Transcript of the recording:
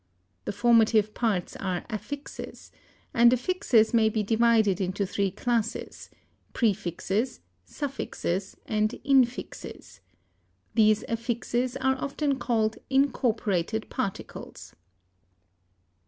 The formative parts are affixes; and affixes may be divided into three classes, prefixes, suffixes, and infixes. These affixes are often called incorporated particles.